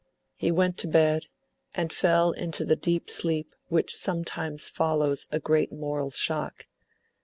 He went to bed, and fell into the deep sleep which sometimes follows a great moral shock.